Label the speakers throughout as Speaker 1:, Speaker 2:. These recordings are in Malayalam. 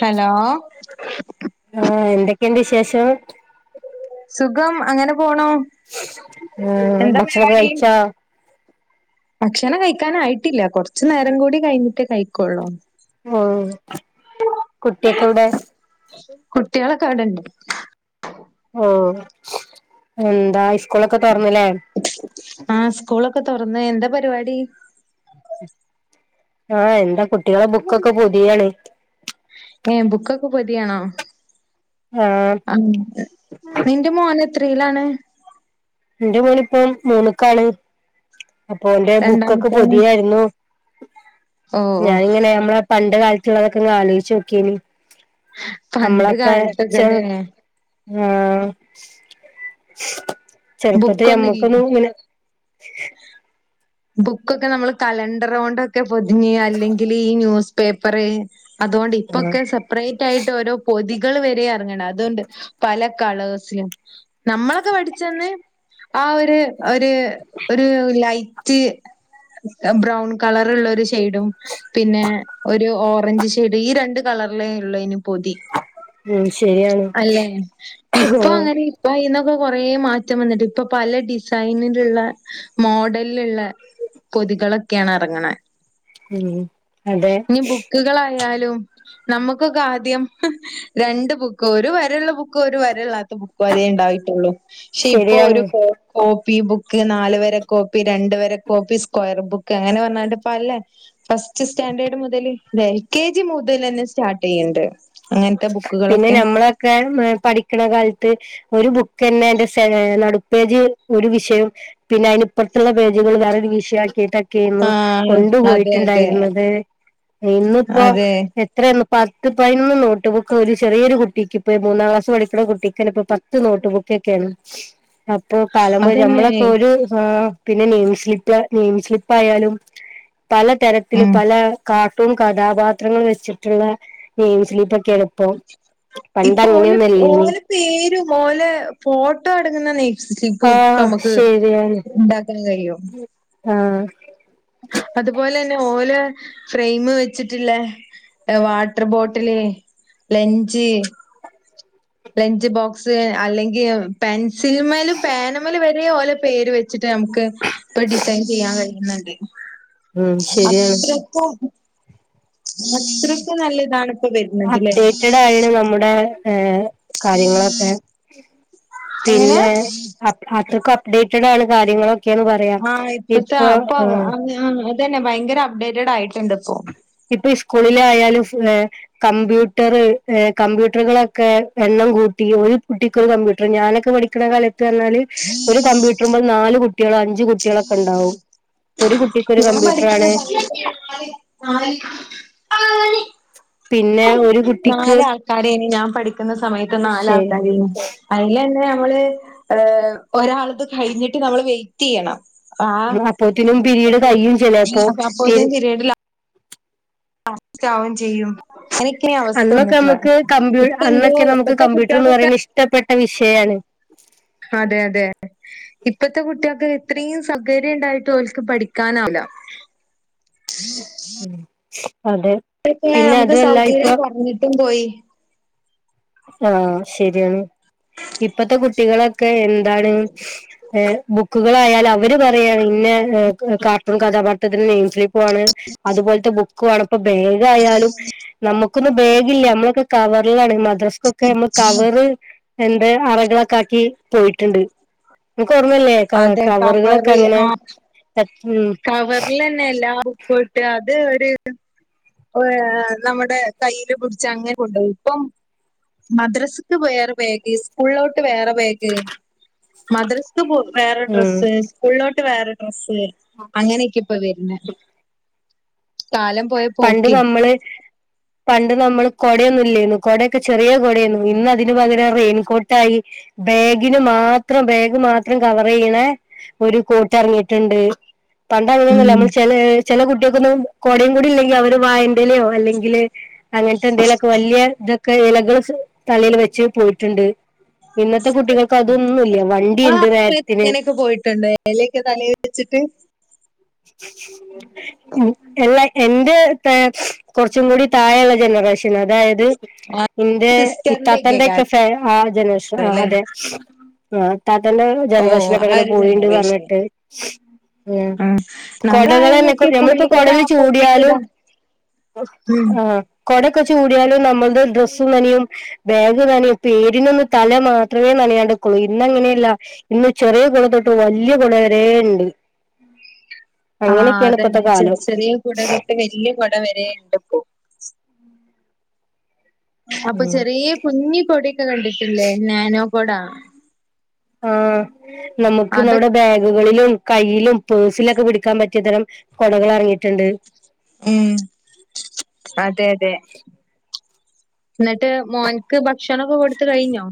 Speaker 1: ഹലോ
Speaker 2: ആഹ് എന്തൊക്കെയുണ്ട് വിശേഷം
Speaker 1: സുഖം അങ്ങനെ പോണു
Speaker 2: ആഹ്
Speaker 1: എന്താ
Speaker 2: ഭക്ഷണവൊക്കെ
Speaker 1: പരിപാടി
Speaker 2: കഴിച്ചോ
Speaker 1: ഭക്ഷണം കഴിക്കാൻ ആയിട്ടില്ല കുറച്ചു നേരം കൂടി കഴിഞ്ഞിട്ടേ കഴിക്കൊള്ളൂ
Speaker 2: ഓഹ് കുട്ടിയൊക്കെ എവിടെ
Speaker 1: കുട്ടികളൊക്കെ അവിടെണ്ട്
Speaker 2: ഓ എന്താ ഹൈസ്കൂളൊക്കെ തുറന്നില്ലേ
Speaker 1: ആഹ് സ്കൂളൊക്കെ തുറന്ന് എന്താ പരിപാടി
Speaker 2: ആഹ് എന്താ കുട്ടികളെ ബുക്കൊക്കെ പൊതിയാണ്
Speaker 1: ഏഹ് ബുക്കൊക്കെ പൊതിയാണോ
Speaker 2: ആം
Speaker 1: ആഹ് നിന്റെ മോന് എത്രയിലാണ്
Speaker 2: എന്റെ മോനിപ്പം മൂന്ന്ക്കാണ് അപ്പൊ എന്റെ ബുക്കൊക്കെ
Speaker 1: രണ്ടാമത്തോന്
Speaker 2: പൊതിയായിരുന്നു
Speaker 1: ഓ
Speaker 2: ഞാനിങ്ങനെ നമ്മളെ പണ്ട് കാലത്തുള്ളതൊക്കെ ഒന്ന് ആലോചിച്ച് നോക്കിയേന്
Speaker 1: പണ്ട്
Speaker 2: നമ്മളൊക്കെ ചെ
Speaker 1: കാലത്തൊക്കെല്ലേ
Speaker 2: ആഹ് ചെറുപ്പത്തി
Speaker 1: ബുക്കൊന്നും ഇല്ല
Speaker 2: നമ്മക്കൊന്നും ഇങ്ങനെ
Speaker 1: ബുക്കൊക്കെ നമ്മള് കലണ്ടറ് കൊണ്ടൊക്കെ പൊതിഞ്ഞ് അല്ലെങ്കിൽ ഈ ന്യൂസ് പേപ്പറ് അതുകൊണ്ട്
Speaker 2: ആഹ്
Speaker 1: ഇപ്പൊക്കെ സെപ്പറേറ്റ് ആയിട്ട് ഓരോ പൊതികൾ വരെ ആഹ് അതുകൊണ്ട് പല കളേഴ്സിലും നമ്മളൊക്കെ പഠിച്ച അന്ന് ആഹ് ഒരു ഒരു ഒരു ലൈറ്റ് ബ്രൗൺ കളറ് ഉള്ള ഒരു ഷെയ്ഡും പിന്നെ ഒരു ഓറഞ്ച് ഷെയ്ഡ് ഈ രണ്ട് കളറിലേ ഉള്ളൂ ഇന് പൊതി
Speaker 2: ഉം ശരിയാണ്
Speaker 1: അല്ലെ ഇപ്പൊ അങ്ങനെ ഇപ്പൊ അയീന്നൊക്കെ കൊറേ മാറ്റം വന്നിട്ട് ഇപ്പൊ പല ഡിസൈനിലുള്ള മോഡലി ലുള്ള പൊതികളൊക്കെയാണ് ഇറങ്ങണെ
Speaker 2: ഉം അതെ
Speaker 1: ഇനി ബുക്കുകളായാലും നമുക്കൊക്കെ ആദ്യം രണ്ട് ബുക്ക് ഒരു വരയുള്ള ബു ക്കും ഒരു വരള്ളാത്ത ബുക്കും അതേ ഉണ്ടായിട്ടുള്ളു പക്ഷെ ഇപ്പൊ ഒരു
Speaker 2: ശരിയാണ്
Speaker 1: കോപ്പി ബുക്ക് നാല് വര കോപ്പി രണ്ട് വര കോപ്പി സ്ക്വയർ ബുക്ക് അങ്ങനെ പറഞ്ഞാണ്ട് ഇപ്പൊ അല്ലേ ഫസ്റ്റ് സ്റ്റാൻഡേർഡ് മുതല് എൽ കെ ജി മുതല് തന്നെ സ്റ്റാർട്ട് ചെയ്യണ്ട് അങ്ങനത്തെ
Speaker 2: പിന്നെ
Speaker 1: ബുക്കുകളൊക്കെ
Speaker 2: ഞമ്മളൊക്കെ പഠിക്കണ കാലത്ത് ഒരു ബുക്ക് തന്നെ അയിന്റെ നടുപ്പേജ് ഒരു വിഷയം പിന്നെ അതിനിപ്പറത്തുള്ള പേജുകൾ വേറെ ഒരു വിഷയം ആക്കിയിട്ട ക്ചേനു
Speaker 1: ആഹ്
Speaker 2: കൊണ്ടു
Speaker 1: അതെ അതെ
Speaker 2: പോയിട്ടുണ്ടായിരുന്നത് ഇന്നിപ്പോ
Speaker 1: അതെ
Speaker 2: എത്രയേന്നു പത്ത് പതിനൊന്ന് നോ ട്ടുബുക്ക് ഒരു ചെറിയൊരു കുട്ടക്കിപ്പം മൂന്നാം ക്ലാസ് പഠിക്കുന്ന കുട്ടിക്കന്നെ ഇപ്പൊ പത്ത് നോട്ട് ബുക്കൊക്കെയാണ് അപ്പൊ കാലംപോയ
Speaker 1: അതന്നെ
Speaker 2: നമ്മളൊക്കെ ഒരു ആഹ് പിന്നെ നെയിംസ്ലിപ്പ് നെയിം സ്ലിപ്പ് ആയാലും പലതരത്തില്
Speaker 1: ഉം
Speaker 2: പല കാർട്ടൂൺ കഥാപാത്രങ്ങൾ വെച്ചിട്ടുള്ള ഗെയിംസിൽ ഇപ്പൊ എളുപ്പോ പണ്ട് അങ്ങനെയൊന്നും അല്ലേനി
Speaker 1: പേര് പോലെ ഫോട്ടോ എടുക്കുന്ന നെയ് സ്ലിപ്പും ഇപ്പൊ
Speaker 2: ആഹ്
Speaker 1: നമുക്ക്
Speaker 2: ശരിയാണ്
Speaker 1: ഉണ്ടാക്കാൻ കഴിയോ
Speaker 2: ആഹ്
Speaker 1: അതുപോലെന്നെ ഓലെ ഫ്രെയിംമ് വെച്ചിട്ടുല്ലേ water bottle lunch lunch box അല്ലെങ്കിൽ പെൻസിൽ മേലും പേന് മേല് വരെ ഇത്രേം ഓലെ പേര് വെച്ചിട്ട് നമുക്ക് ഇപ്പൊ ഡിസൈൻ ചെയ്യാൻ കഴിയുന്നുണ്ട്
Speaker 2: ഉം ശരിയാണ്
Speaker 1: അത്രക്കും അത്രക്കും നല്ലതാണ്
Speaker 2: അപ്ഡേറ്റഡ് ആയിണ് നമ്മുടെ ഏഹ് കാര്യങ്ങളൊക്കെ
Speaker 1: എങ്ങനെ
Speaker 2: പിന്നെ അതൊക്കെ അപ്ഡേറ്റഡ് ആയ കാര്യങ്ങളൊക്കെയാന്ന് പ
Speaker 1: ആഹ് ഇപ്പൊത്തെ ഇപ്പൊ അതന്നെ ഭയങ്കര അപ്ഡേറ്റഡ് ആയിട്ടുണ്ട് ഇപ്പോ
Speaker 2: ഇപ്പൊ ഈ സ്കൂളിലായാലും പിന്നെ കമ്പ്യൂട്ടറ് കമ്പ്യൂട്ടറുകളൊക്കെ എണ്ണം കൂട്ടി ഒരു കുട്ടിക്കൊരു കമ്പ്യൂട്ടർ ഞാനൊക്കെ പഠി കണ കാലത്ത് പറഞ്ഞാല് ഒരു കമ്പ്യൂട്ടറുമേ നാല് കുട്ടികള് അഞ്ചു കുട്ടികളൊക്കെ ഉണ്ടാവും ഒരു കുട്ടിക്ക് ഒരു
Speaker 1: ഞാൻ പഠിക്കുന്ന
Speaker 2: കമ്പ്യൂട്ടറാണ്
Speaker 1: സമയത്ത് പറഞ്ഞാല് നാല്
Speaker 2: പിന്നെ ഒരു കുട്ടിക്ക്
Speaker 1: നാല് ആൾക്കാരേന് ഞാൻ പഠിക്കുന്ന സമയത്ത്
Speaker 2: ശരി
Speaker 1: നാലാൾക്കാര അയിലന്നെ നമ്മള് ഒരാൾത് കഴിഞ്ഞിട്ട് നമ്മള് വെയിറ്റെയ്യണം ആഹ്
Speaker 2: അപ്പോത്തിനും പിരീഡ് കയ്യും ചിലപ്പോ
Speaker 1: അപ്പ
Speaker 2: പിരി
Speaker 1: അപ്പൊതിന് പിര്ഡ് ലാ ലാസ്റ്റാവും ചെയ്യും എനിക്കി ഈ അവസ്ഥ
Speaker 2: അന്നൊക്കെ
Speaker 1: വന്നിട്ടില്ല
Speaker 2: നമുക്ക് കമ്പ്യൂ അന്നൊക്കെ
Speaker 1: ഇപ്പന്തെരോ
Speaker 2: നമുക്ക്
Speaker 1: ഇപ്പത്തെ
Speaker 2: കമ്പ്യൂട്ടർ എന്ന്
Speaker 1: കുട്ടിയേൾക്കൊക്കെ
Speaker 2: പറയുന്നത് ഇഷ്ടപ്പെട്ട വിഷയാണ്.
Speaker 1: അതെ അതെ. ഇപ്പത്തെ കുട്ടിയേൾക്ക് ഇത്രിം സൗകര്യം ഇണ്ടായിട്ട് ഓൽക്ക് പഠിക്കാനാവുല്ല
Speaker 2: [inaudible] ഹ്മ്മ് അതെ
Speaker 1: അപ്പൊക്കെ
Speaker 2: പിന്നെ
Speaker 1: നമ്മക്ക്
Speaker 2: അതുമല്ല ഇപ്പൊ
Speaker 1: സൗകര്യം കൊറഞ്ഞിട്ടും പോയി.
Speaker 2: ആഹ് ശെരിയാണ് ഇപ്പത്തെ കുട്ടികളൊക്കെ എ ന്താണ് ഏഹ് ബുക്കുകളായാലും അവര് പറയാ ഇന്ന കാർട്ടൂൺ കഥാപാ ഒത്തതിന് നെയിം സ്ലീപ്പ് ആണ് അതുപോലത്തെ ബുക്കുംആണ് ഇപ്പ ബേഗായാലും നമ്മുക്കൊന്നും ബേഗില്ല നമ്മളൊക്കെ കവറിലാണ് മദ്രസ്ക്കൊക്കെ നമ്മള് കവറ് എന്തെ അറകളൊക്കാക്കി പോയിട്ട്ണ്ട്. ഇങ്ങൾക്കോർമ്മല്ലേ കവ
Speaker 1: അതെ
Speaker 2: കവറുകളൊക്കെ
Speaker 1: കവറ്
Speaker 2: അങ്ങനെ
Speaker 1: ആ
Speaker 2: ഉം
Speaker 1: കവറിലന്നെ എല്ലാ ബുക്കുട്ട് അത് ഒര് ഏഹ് നമ്മുടെ കയ്യില് പിടിച്ച് അങ്ങനെ കൊണ്ടോയി ഇപ്പം മദ്രസ്ക്ക് വേറെ ബേഗ് സ്കൂളിലോട്ട് വേറെ ബേഗ് മദ്രസ് പോ വേറെ
Speaker 2: ഉം
Speaker 1: ഡ്രെസ്സ് സ്കൂളിലോട്ട് വേറെ ഡ്രസ്സ്, അങ്ങനെക്കെ ഇപ്പ വരുന്നെ കാലം പോയ
Speaker 2: പണ്ട്
Speaker 1: പോക്കേ
Speaker 2: നമ്മള് പണ്ട് നമ്മള് കൊടയൊന്നും ഇല്ലേന്നു കൊടയൊക്കെ ചെറിയ കൊടേന്നു ഇന്ന് അതിന് പകരം റെയിൻകോട്ടായി ബേഗിന് മാത്രം ബേഗ് മാത്രം കവറെയ്യ്ണേ ഒര് കോട്ടെറങ്ങിട്ട്ണ്ട്. പണ്ടങ്ങനൊന്നുല്ല
Speaker 1: ഉം
Speaker 2: നമ്മള് ചെ ചെല കുട്ടികൾക്കൊന്നും കോടയും കൂടി ഇല്ലെങ്കിൽ അവര് വാഴന്റെ ഡ്ഢിലിയോ അല്ലെങ്കില് അങ്ങൻത്തെ എന്തെങ്കിലൊക്കെ വല്യയ ഇത് കൈലകള് തലേൽ വെച്ച് പോയിട്ടുണ്ട് പിന്നെ ഇന്നത്തെ കുട്ടികൾക്ക് അതൊന്നുംല്ല വണ്ടിയുണ്ട് നേരത്തിന്
Speaker 1: ക്ക് പോയിട്ടുണ്ട്. എലൊക്കെ തലേ വെച്ചിട്ട്
Speaker 2: [inaudible] ഹ്മ്മ് എല്ലാ എന്റെ താ കൊറച്ചും കൂടി താഴെയുള്ള ജനറേഷന് അതായിത്
Speaker 1: ആ
Speaker 2: ഇന്റെ
Speaker 1: സിസ്റ്ററിന്റെ ഒക്കെ
Speaker 2: ഇത്താത്തന്റെക്കെ
Speaker 1: കാലം
Speaker 2: ഫെ ആ ജനറേഷൻ ആ
Speaker 1: ല്ലേ
Speaker 2: അതെ ആഹ് ഇത്താത്തന്റെ
Speaker 1: ഓ
Speaker 2: ജനറേഷനൊക്കെ
Speaker 1: ആ
Speaker 2: അങ്ങനെ
Speaker 1: ഒരു
Speaker 2: പോയിണ്ട്
Speaker 1: ജനറേഷൻ
Speaker 2: പറഞേട്ട്. ആഹ്
Speaker 1: ഉം
Speaker 2: കൊടകളന്നെപ്പ
Speaker 1: നമ്മളായന്നൊക്കെ
Speaker 2: ഞമ്മള്പ്പോ
Speaker 1: പുള്ളിക്കുട
Speaker 2: കൊടേല്
Speaker 1: പൊപ്പിക്കുട
Speaker 2: ചൂടിയാലും
Speaker 1: ഉം
Speaker 2: ആഹ് കൊടക്കെ ചൂടിയാലും നമ്മളുടെ ഡ്രസ്സും തനയും ബേഗു നനയും പേരിനൊന്ന് തല മാത്രമേ നനയാതെ നിക്കൊള്ളൂ ഇന്നങ്ങനെയല്ല ഇന്ന് ചെറിയ കുട തൊട്ട് വല്യ കുട വരെ ഇണ്ട്.
Speaker 1: ആഹ് അതന്നെ
Speaker 2: ഇപ്പത്തെ
Speaker 1: ചെറിയ
Speaker 2: കാലം
Speaker 1: ചെറിയ കുട തൊട്ട് വല്യ കുട വരെയ്ണ്ട് ഇപ്പോ അപ്പൊ
Speaker 2: ഉം
Speaker 1: ചെറിയ കുഞ്ഞി കൊടയൊക്കെ കണ്ടിട്ടില്ലേ നാനോക്കൊടാ
Speaker 2: ആഹ് നമുക്ക്
Speaker 1: അതൊ
Speaker 2: നമ്മുടെ ബാഗുകളിലും കയ്യിലും പേഴ്സിലൊക്കെ പിടിക്കാൻ പറ്റിയതരം കൊടകളെറങ്ങിട്ട്ണ്ട്.
Speaker 1: ഏഹ്, അതെ അതെ. ഇന്നട്ട് മോൻക്ക് ഭക്ഷണൊക്കെ കൊടുത്ത് കഴിഞ്ഞോ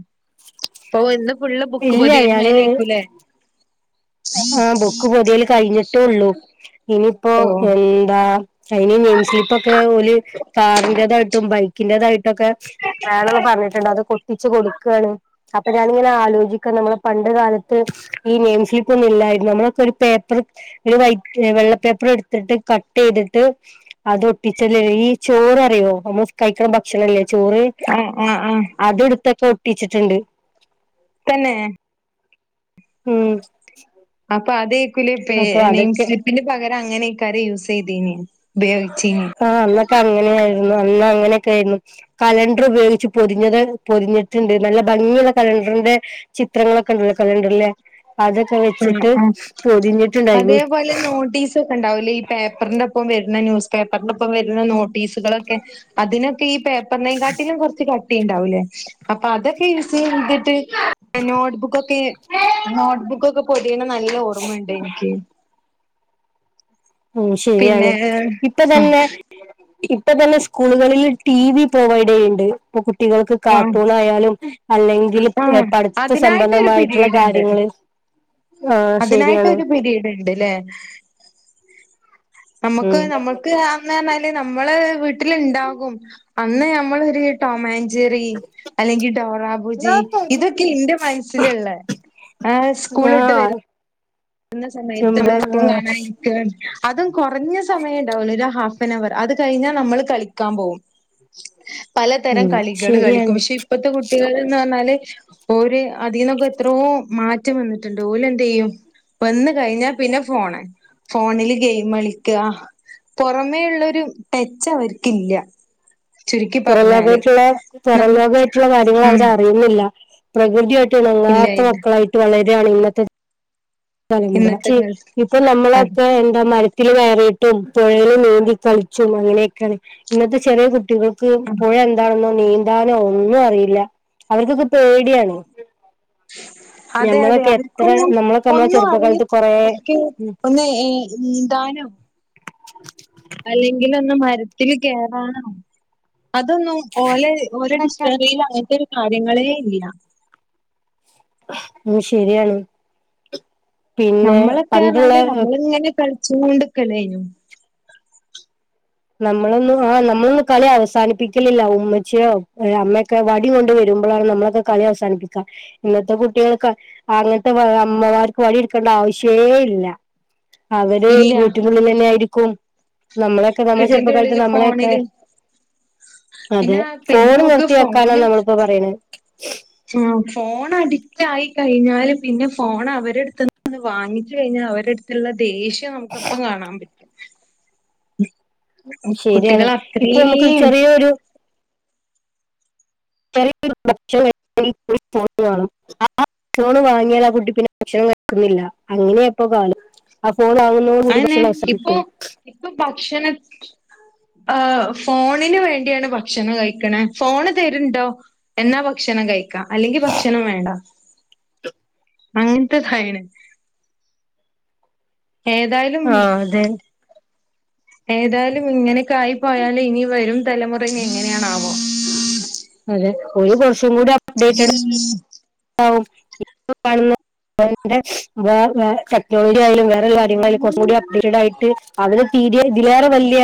Speaker 1: ഓഹ് ഇന്ന് ഫുള്ള് ബുക്ക്
Speaker 2: ഇല്ല
Speaker 1: പൊതിയെൽമേക്കൂലേ
Speaker 2: ആഹ് ബുക്ക് പൊതിയല് കഴിഞ്ഞിട്ടേ ഉള്ളു ഇനിയിപ്പോ
Speaker 1: ഓഹ്
Speaker 2: എന്താ അതിനീ നെയിം സ്ലിപ്പൊക്കെ ഓല് കാറിന്റെതായിട്ടും ബൈക്കിന്റെതായിട്ടൊക്കെ വേണന്ന് പറഞ്ഞിട്ടുണ്ട് അതൊക്കെ ഒട്ടിച്ച് കൊടുക്കാണ് അപ്പൊ ഞാനിങ്ങനെ ആലോചിക്കും നമ്മള് പണ്ട് കാലത്ത് ഈ നെയിം സ്ലി പ്പൊന്നും ഇല്ലായിരുന്നു നമ്മളൊക്കെ ഒരു പേപ്പറ് ഒരു വൈറ്റ് വെള്ള പേപ്പറ് എടുത്തിട്ട് കട്ടെയ്തിട്ട് അതൊട്ടിച്ചല്ലെ ഈ ചോററിയോ അമ്മള് കഴിക്കണ ഭക്ഷണല്ലേ ചോറ്
Speaker 1: ആഹ് ആഹ് ആഹ്
Speaker 2: അതെടുത്തൊക്കെ ഒട്ടിച്ചിട്ട്ണ്ട്
Speaker 1: തന്നെ
Speaker 2: ഉം
Speaker 1: ഇപ്പൊ അത് ഏക്കൂലേ പേ
Speaker 2: അപ്പൊ
Speaker 1: നെയിം
Speaker 2: അതൊക്കെ
Speaker 1: സ്ലിപ്പിന് പകരം അങ്ങനെക്കാര് യൂസ് ചെയ്തീന് ഉപയോഗിച്ചീന്
Speaker 2: ആഹ് അന്നൊക്കെ അങ്ങനെയായിരുന്നു അന്ന് അങ്ങനെയൊക്കെ ആയിരുന്ന് കലണ്ടർ ഉപയോഗിച്ച് പൊതിഞ്ഞത് പൊതിഞ്ഞിട്ടുണ്ട് നല്ല ഭംഗിയുള്ള കലണ്ടറിന്റെ ചിത്രങ്ങളൊക്കെ ഉള്ള കലണ്ടറിലേ അതൊക്കെ
Speaker 1: ആഹ്
Speaker 2: വെച്ചിട്ട്
Speaker 1: ആഹ്
Speaker 2: പൊതിഞ്ഞിട്ടുണ്ടായിരുന്നു
Speaker 1: അതേപോലെ [unintelligible] ഉണ്ടാവൂലേ ഈ പേപ്പറിന്റെ ഒപ്പം വരുന്ന ന്യൂസ് പേപ്പറിന്റെ ഒപ്പം വരുന്ന നോട്ടീസുകളൊക്കെ അതിനൊക്കെ ഈ പേപ്പറിനേം കാട്ടിലും കൊറച്ച് കട്ടി ഇണ്ടാവൂലേ അപ്പൊ അതൊക്കെ യൂസെയ്തിട്ട് നോട്ട് ബുക്കൊക്കെ നോട്ട്ബുക്കൊക്കെ പൊതിയണ നല്ല ഓർമ്മയുണ്ട് എനിക്ക്
Speaker 2: ഉം ശരിയാണ്
Speaker 1: പിന്നെ
Speaker 2: ഇപ്പ തന്നെ ഇപ്പൊ തന്നെ സ്കൂളുകളില് ടി വി പ്രൊവൈഡ് ചെയ്യ്ണ്ട് ഇപ്പൊ കുട്ടികൾക്ക്
Speaker 1: ആഹ്
Speaker 2: കാർട്ടൂൺ ആയാലും അല്ലെങ്കില് പ്
Speaker 1: ആഹ്
Speaker 2: പഠിച്ച
Speaker 1: അതിനായിട്ടൊരു
Speaker 2: സംബന്ധമായിട്ടുള്ള
Speaker 1: പിരീഡ് ഉണ്ട്
Speaker 2: കാര്യങ്ങള് ആഹ് ശരിയാണ്
Speaker 1: ഇണ്ട്ല്ലേ നമുക്ക്
Speaker 2: ഉം
Speaker 1: നമ്മ [unintelligible] അന്ന് തന്നെ അയില് നമ്മള് വീട്ടില്ണ്ടാകും അന്ന് നമ്മളൊരു വീ ടോം ആൻ ജെറി അല്ലെങ്കി ഡോറ ബുജി ഇതൊക്കെ എന്റെ മനസ്സിലുള്ളെ ആഹ് സ്കൂള് വിട്ട് വര്
Speaker 2: ആഹ്
Speaker 1: ന്ന സമയത്ത്
Speaker 2: ചെമ്പ ആഹ്
Speaker 1: [unintelligible] അതും കൊറഞ്ഞ സമയണ്ട് ഓനൊരു ഹാഫ് [unintelligible] അത് കഴിഞ്ഞാൽ നമ്മള് കളിക്കാൻ പോവും പലതരം
Speaker 2: ഉം
Speaker 1: കളികള് കളിക്കും
Speaker 2: ശരിയാണ്
Speaker 1: പക്ഷെ ഇപ്പത്തെ കു ട്ടികളെന്ന് പറഞ്ഞാല് ഓര് അതീന്നൊക്കെ എത്രോ മാറ്റം വന്നിട്ടുണ്ട് ഓല് എന്തെയ്യും വന്ന് കഴിഞ്ഞാ പിന്നെ ഫോണ് ഫോണില് ഗെയിമ് കളിക്കാ പൊറമേ ഉള്ളൊരു ടെച്ച് അവർക്കില്ല ചുരുക്കി
Speaker 2: പൊറം
Speaker 1: പറഞ്ഞാല്
Speaker 2: ലോകായിട്ടുള്ള പൊറം
Speaker 1: നമ്മ
Speaker 2: ലോകായിട്ടുള്ള കാര്യങ്ങള്
Speaker 1: ഉം
Speaker 2: അവരറിയുന്നില്ല പ്രകൃതിയായിട്ട്
Speaker 1: ഇല്ല
Speaker 2: ഇണങ്ങാത്ത
Speaker 1: ഇല്ല
Speaker 2: മക്കളായിട്ട് വളരാണ് ഇന്നത്തെ
Speaker 1: ഇന്നത്തെ കാലത്ത്
Speaker 2: [unintelligible] ഇപ്പൊ
Speaker 1: അത്
Speaker 2: നമ്മളപ്പൊ എന്താ മര ത്തില് കയറിയിട്ടും പുഴേല് നീന്തി കളിച്ചും അങ്ങനെയൊക്കെയാണെ ഇന്നത്തെ ചെറിയ കു ട്ടികൾക്ക്
Speaker 1: ആ
Speaker 2: പുഴ എന്താണെന്നോ നീന്താനോ ഒന്നും അറിയില്ല അവർക്കൊക്കെ പേടിയാണ്
Speaker 1: അതെ അതെ
Speaker 2: ഞമ്മളൊക്കെ എത്ര
Speaker 1: അവർക്കൊന്നും
Speaker 2: നമ്മളൊക്കെ നമ്മള
Speaker 1: ഒന്നും അറിയ
Speaker 2: ചെറുപ്പകാലത്ത് കൊറെ
Speaker 1: [unintelligible] ഒന്ന് ഏഹ് നീന്താനോ അല്ലെങ്കില് ഒന്ന് മരത്തില് കേറാനോ അതൊന്നും ഓലെ ഓരെ ഡിക്ഷണറീല് അങ്ങനത്തെ ഒരു കാര്യങ്ങളേ ഇല്ല
Speaker 2: ഉം ശരിയാണ് പിന്നെ
Speaker 1: നമ്മളൊക്കെ പറഞ്ഞാല്
Speaker 2: പണ്ടുള്ള
Speaker 1: നമ്മള് ഇങ്ങനെ കളിച്ചും കൊണ്ട് നിക്കല് ആയിനു
Speaker 2: നമ്മളൊന്നും ആഹ് നമ്മളൊന്നും കളി അവസാനിപ്പിക്കലില്ല ഉമ്മച്ചിയോ ഏഹ് അമ്മയൊക്കെ വടി കൊണ്ട് വരുമ്പൊഴാണ് നമ്മളൊ ക്കെ കളി അവസാനിപ്പിക്കാ ഇന്നത്തെ കുട്ടികൾക്ക ആങ്ങൻത്തെ അമ്മമാർക്ക് വടിട്ക്കെണ്ടാ ആവിശ്യേ ഇല്ല. അവര്
Speaker 1: ഇല്ല
Speaker 2: വീട്ടുള്ളിലെന്നെ ആയിരിക്കും നമ്മളെ. ക്കെ നമ്മളെ
Speaker 1: വീട്ടിന്റെ
Speaker 2: ചെറുപ്പകാലത്ത്
Speaker 1: ഉള്ളില്
Speaker 2: നമ്മളെ ഒക്കെ.
Speaker 1: ഫോണില്
Speaker 2: അതെ
Speaker 1: പിന്നെ പിന്നെ
Speaker 2: ഫോൺ
Speaker 1: നോക്ക്
Speaker 2: നിർത്തി വെക്കാനാ നമ്മള് ഇപ്പ പറിണെ.
Speaker 1: ആഹ് ഫോൺ അഡിറ്റായി കയിഞ്ഞാല് പിന്നെ ഫോൺ അവര് അട്ത്ത്ന്ന് വാങ്ങിച്ചാ കയിഞ്ഞാ അവര് ക്ക്ള്ള ദേഷ്യം നമ്മക്ക് അപ്പം കാണാൻ പറ്റും.
Speaker 2: ശരിയാണ്
Speaker 1: കുട്ടികള്
Speaker 2: ഇപ്പൊ നമുക്കൊരു
Speaker 1: അത്രീം.
Speaker 2: ചെറിയൊരു [unintelligible] [unintelligible] ആഹ് കുട്ട്യേള് വാങ്ങ്യാൽ പിന്നെ ഭക്ഷണം കയിക്കുന്നില്ല. അങ്ങനെയാ ഇപ്പോ കാണ് ആഹ് ഫോൺ [unintelligible] കൂടി
Speaker 1: അതന്നെ
Speaker 2: ബക്ഷണം
Speaker 1: ഇപ്പൊ
Speaker 2: [unintelligible]
Speaker 1: ഇപ്പൊ ബക്ഷണ ആഹ് ഫോണിന് വേണ്ടിയാണ് ബക്ഷണം കയിക്ക്ണെ. ഫോണ് തെര്ണ്ടൊ. എന്നാ ബക്ഷണം കഴിക്കാ. അല്ലെങ്കി ബക്ഷണം വേണ്ട അങ്ങൻത്തെ ഇതായിണ്. ഏതായാലും
Speaker 2: ആ അതെ
Speaker 1: ഏതായാലും ഇങ്ങനൊക്കെ ആയി പോയാലു ഇനി വെരും തലമുറ എങ്ങനേണ് ആവോ.
Speaker 2: അതെ ഒരു ദുവസം കൂടി അപ്ഡേറ്റ്ട്
Speaker 1: [inaudible]
Speaker 2: [unintelligible] [unintelligible] ന്റെ വേ വെ ടെക്നോളജി ആയാലും വേറെ കാര്യങ്ങളായാലും കൊറച്ചും കൂടി അപ്ഡേറ്റഡ് ആയിട്ട് അവര് [unintelligible] ഇതിലേറെ വല്ല്യ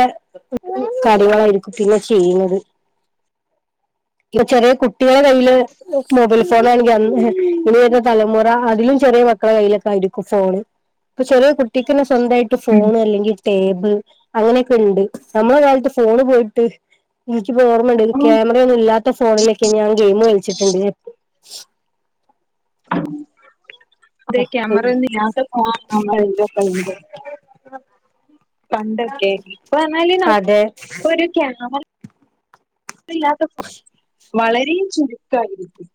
Speaker 2: കാര്യങ്ങളാരിക്കും പിന്നെ ചെയ്യുന്നത്. ഇന്റെ ചെറ്യേ കുട്ട്യേളെ കയ്യില് മൊബൈല് ഫോണാണെങ്കി ഇനി വെര്ന്ന തലമുറ അതിലും ചെറിയ മക്കളെ കയ്യിലൊക്കെ ആയിരിക്കും ഫോണ്. ഇപ്പൊ ചെറ്യേ കുട്ടിക്കെന്നെ സ്വന്തായിട്ട്
Speaker 1: ഉം
Speaker 2: ഫോൺ അല്ലെങ്കി ടേബിൾ അങ്ങനെക്കെ ഉണ്ട്. നമ്മളെ കാലത്ത് ഫോണ് പോയിട്ട് എനിക്ക് ഇപ്പ ഓർമ്മണ്ട്.
Speaker 1: ഉം
Speaker 2: ക്യാമറയൊന്നും ഇല്ലാത്ത ഫോണിലൊക്കെ ഞാൻ ഗെയിം കയിച്ചിട്ട്ണ്ട്.
Speaker 1: [unintelligible] ക്യാമറയൊന്നും
Speaker 2: അതെ
Speaker 1: ഇല്ലാത്ത [unintelligible] പണ്ടാക്കെ ഇപ്പം പറ്ന്നാല് ഇപ്പൊ ഒര് [unintelligible] ഇല്ലാത്ത [unintelligible] വളരെ ചുര്ക്കായിരിക്കും